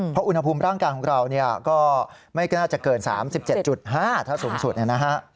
เพราะอุณหภูมิร่างกายของเราก็ไม่น่าจะเกิน๓๗๕ถ้าสูงสุดเนี่ยนะฮะ